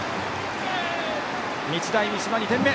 日大三島、２点目。